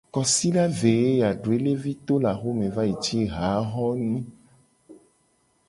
Kosida ve ye ya doelevi to le axome va yi ci haxonu.